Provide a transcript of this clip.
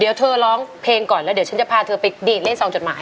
เดี๋ยวเธอร้องเพลงก่อนแล้วเดี๋ยวฉันจะพาเธอไปดีดเล่นซองจดหมาย